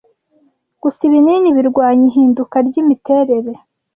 Gusa ibinini birwanya ihinduka ryimiterere